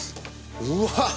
うわっ！